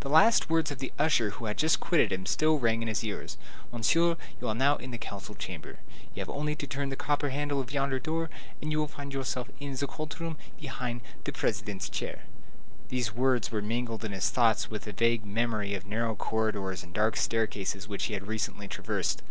The last words of the usher who had just quitted him still rang in his ears: "Monsieur, you are now in the council chamber; you have only to turn the copper handle of yonder door, and you will find yourself in the court room, behind the President's chair." These words were mingled in his thoughts with a vague memory of narrow corridors and dark staircases which he had recently traversed.